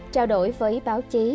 trao đổi với báo chí